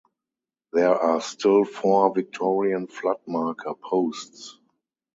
There are still four Victorian flood marker posts.